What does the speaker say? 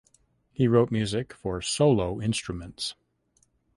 He wrote music for solo instruments.